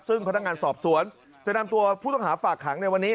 ซึ่งพนักงานสอบสวนจะนำตัวผู้ต้องหาฝากขังในวันนี้